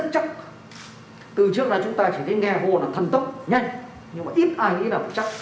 chắc từ trước là chúng ta chỉ thấy nghe hồn là thân tốc nhanh nhưng mà ít ai nghĩ là phải chắc